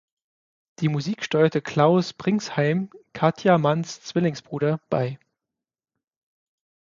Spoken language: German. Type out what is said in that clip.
Die Musik steuerte Klaus Pringsheim, Katia Manns Zwillingsbruder, bei.